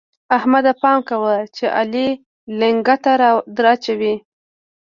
احمده! پام کوه چې علي لېنګته دراچوي.